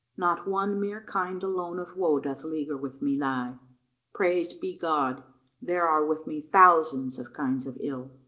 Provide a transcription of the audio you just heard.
Not one mere kind alone of woe doth lieger with me lie; * Praised be God! There are with me thousands of kinds of ill."